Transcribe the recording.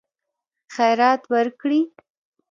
خیرات ورکړي.